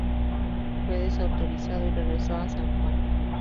Fue desautorizado y regresó a San Juan.